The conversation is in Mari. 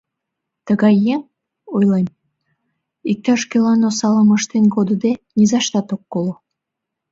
Тыгай еҥ, — ойлем, — иктаж-кӧлан осалым ыштен кодыде, низаштат ок коло.